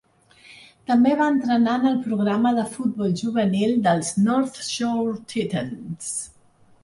També va entrenar en el programa de futbol juvenil dels North Shore Titans.